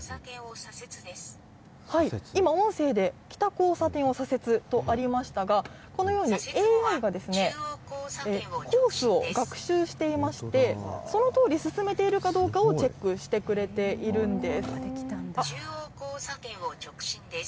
今、音声で北交差点を左折とありましたが、このように、ＡＩがコースを学習していまして、そのとおり進めているかどうかを中央交差点を直進です。